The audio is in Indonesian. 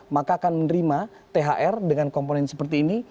maka akan menerima thr dengan komponen seperti ini